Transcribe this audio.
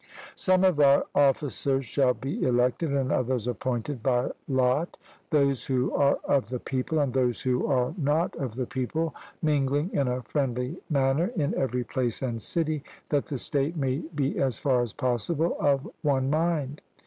Some of our officers shall be elected, and others appointed by lot, those who are of the people and those who are not of the people mingling in a friendly manner in every place and city, that the state may be as far as possible of one mind.